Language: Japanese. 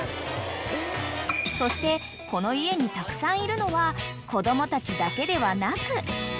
［そしてこの家にたくさんいるのは子供たちだけではなく］